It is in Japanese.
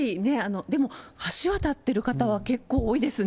でも、橋渡ってる方は結構多いですね。